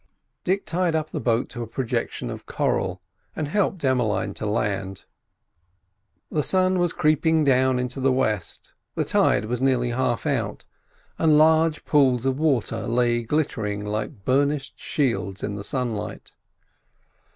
Dick tied up the boat to a projection of coral, and helped Emmeline to land. The sun was creeping down into the west, the tide was nearly half out, and large pools of water lay glittering like burnished shields in the sunlight.